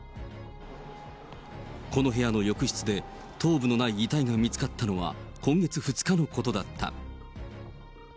この部屋の浴室で、頭部のない遺体が見つかったのは今月２日のことだった。